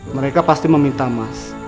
mereka pasti meminta mas